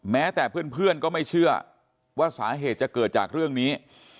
แม้แต่เพื่อนก็ไม่เชื่อว่าสาเหตุจะเกิดจากเรื่องนี้